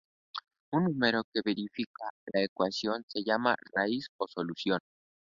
Un número que verifica la ecuación se llama "raíz" o "solución".